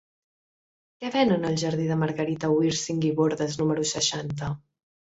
Què venen al jardí de Margarita Wirsing i Bordas número seixanta?